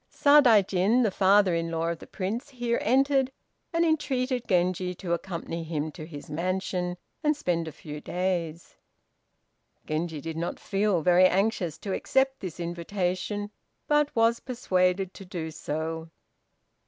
Sadaijin, the father in law of the Prince, here entered, and entreated Genji to accompany him to his mansion, and spend a few days. Genji did not feel very anxious to accept this invitation, but was persuaded to do so.